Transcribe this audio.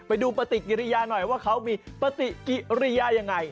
ไปดูปฏิกิริยาหน่อยว่าเขามีปฏิกิริยายังไง